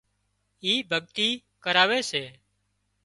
اي ڀڳتي ڪراوي سي